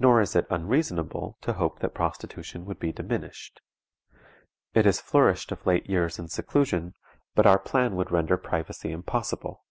Nor is it unreasonable to hope that prostitution would be diminished. It has flourished of late years in seclusion, but our plan would render privacy impossible.